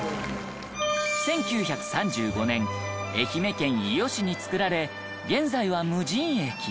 １９３５年愛媛県伊予市に造られ現在は無人駅。